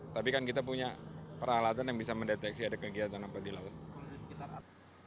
tapi kan kita punya peralatan yang bisa mendeteksi ada kegiatan apa di laut